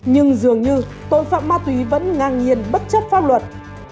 nhưng dường như tội phạm ma túy vẫn ngang nhiên bất chấp pháp luật